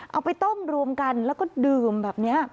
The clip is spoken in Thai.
เอาไปต้มรวมกันแล้วก็ดื่มแบบนี้